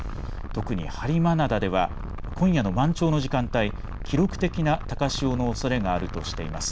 特に播磨灘では今夜の満潮の時間帯、記録的な高潮のおそれがあるとしています。